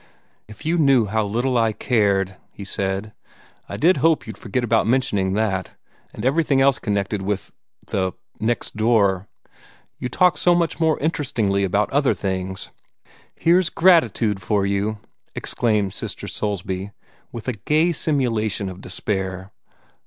"If you knew how little I cared!" he said. "I did hope you'd forget all about mentioning that and everything else connected with the next door. You talk so much more interestingly about other things." "Here's gratitude for you!" exclaimed Sister Soulsby, with a gay simulation of despair.